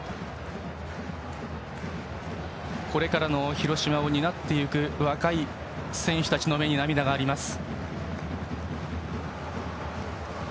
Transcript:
これからの広島を担っていく若い選手たちの目に涙があります。